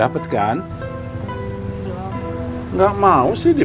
bapaknya gak mau nyanyi